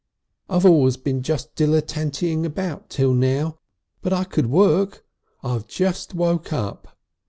"I've always been just dilletentytating about till now, but I could work. I've just woke up.